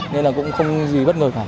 nên cũng không gì bất ngờ cả